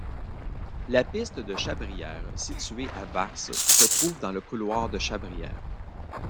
La piste de Chabrières située à Vars se trouve dans le couloir de Chabrières.